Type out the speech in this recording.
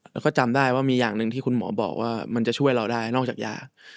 แล้วก็จำได้ว่ามีอย่างหนึ่งที่คุณหมอบอกว่ามันจะช่วยเราได้นอกจากยา